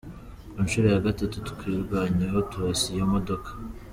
Ku nshuro ya gatatu twirwanyeho turasa iyo modoka.